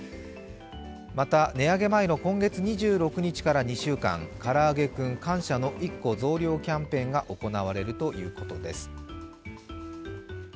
また値上げ前の今月２６日から２週間からあげクン感謝の１個増量キャンペーンが行われるということです。